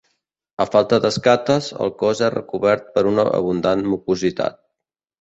A falta d'escates, el cos és recobert per una abundant mucositat.